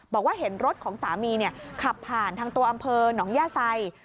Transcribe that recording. บอกว่าเห็นรถของสามีขับผ่านทางตัวอำเภอหนองย่าไซ